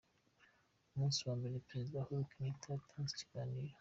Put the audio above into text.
Umunsi wa mbere Perezida Uhuru Kenyatta yatanze ikiganiro.